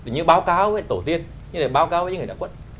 như báo cáo với tổ tiên như là báo cáo với những người đã quận